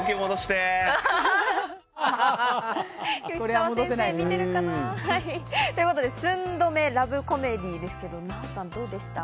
吉沢先生見てるかな？ということで寸止めラブコメディーですけれども、ナヲさん、どうでした？